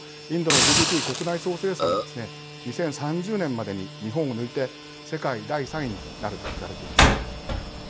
インドのＧＤＰ、国内総生産は２０３０年までに日本を抜いて世界第３位になると見られています。